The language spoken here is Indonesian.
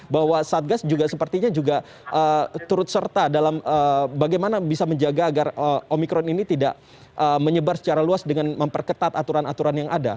bahwa satgas juga sepertinya juga turut serta dalam bagaimana bisa menjaga agar omikron ini tidak menyebar secara luas dengan memperketat aturan aturan yang ada